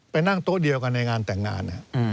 นั่งโต๊ะเดียวกันในงานแต่งงาน